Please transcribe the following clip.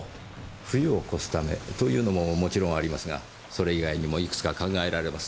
冬を越すためというのももちろんありますがそれ以外にもいくつか考えられます。